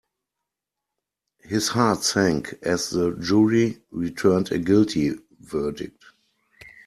His heart sank as the jury returned a guilty verdict.